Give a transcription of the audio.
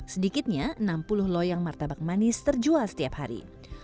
sedikitnya enam puluh loyang martabak manis terjual setiap hari